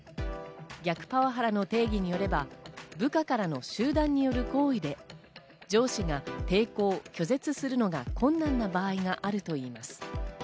逆パワハラの定義によれば、部下からの集団による抗議で、上司が抵抗・拒絶するのが困難な場合があるといいます。